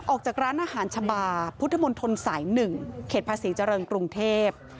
ออกจากร้านอาหารชะบาพุทธมนตรสาย๑เขตภาษีเจริญกรุงเทพ